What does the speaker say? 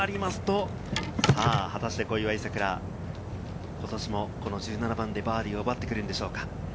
果たして小祝さくら、ことしもこの１７番でバーディーを奪ってくるんでしょうか。